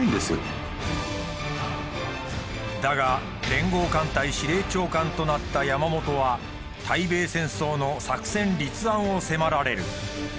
だが連合艦隊司令長官となった山本は対米戦争の作戦立案を迫られる。